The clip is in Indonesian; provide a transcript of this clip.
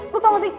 lu tau gak sih